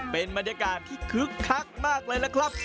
เป็นบรรยากาศที่คึกคักมากเลยล่ะครับ